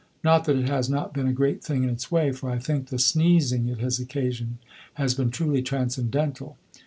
Not that it has not been a great thing in its way; for I think the sneezing it has occasioned has been truly transcendental.